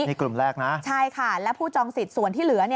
นี่กลุ่มแรกนะใช่ค่ะและผู้จองสิทธิ์ส่วนที่เหลือ